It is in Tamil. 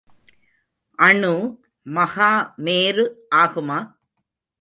அணு மகா மேரு ஆகுமா?